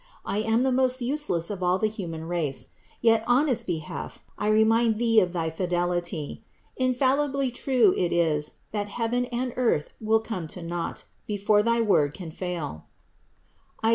I am the most useless of all the human race; yet on its behalf I remind Thee of thy fidelity. Infallibly true it is, that heaven and earth will come to naught, before thy word can fail (Is.